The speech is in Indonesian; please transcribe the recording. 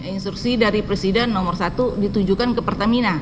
instruksi dari presiden nomor satu ditujukan ke pertamina